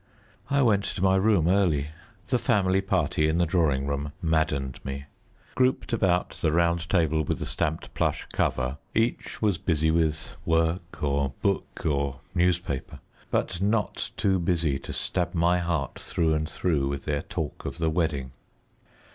I went to my room early; the family party in the drawing room maddened me. Grouped about the round table with the stamped plush cover, each was busy with work, or book, or newspaper, but not too busy to stab my heart through and through with their talk of the wedding.